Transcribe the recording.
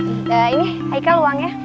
ini haikal uangnya